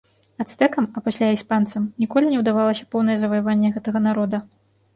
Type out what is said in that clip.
Ацтэкам, а пасля і іспанцам, ніколі не ўдавалася поўнае заваяванне гэтага народа.